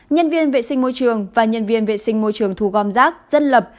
nhân viên vệ sinh môi trường và nhân viên vệ sinh môi trường thu gom rác dân lập